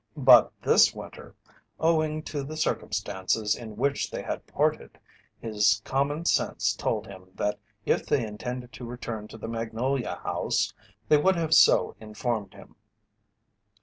But this winter, owing to the circumstances in which they had parted, his common sense told him that if they intended to return to the Magnolia House they would have so informed him.